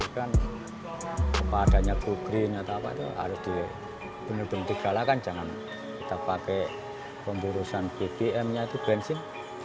kepadanya go green atau apa itu harus benar benar digalakan jangan kita pakai pemburusan bbmnya itu bensin